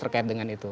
terkait dengan itu